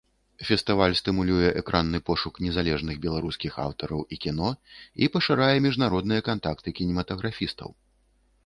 Фестываль стымулюе экранны пошук незалежных беларускіх аўтараў і кіно і пашырае міжнародныя кантакты кінематаграфістаў.